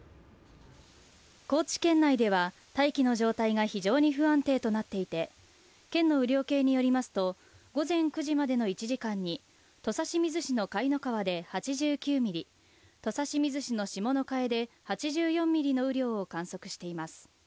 高知県内では、大気の状態が非常に不安定となっていて県の雨量計によりますと、午前９時までの１時間に土佐清水市の貝ノ川で８９ミリ土佐清水市の下ノ加江で８４ミリの雨量を観測しています。